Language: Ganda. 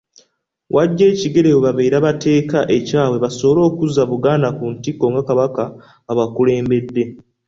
W'aggya ekigere we babeera bateeka ekyabwe basobole okuzza Buganda ku ntikko nga Kabaka abakulembedde.